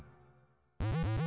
ん？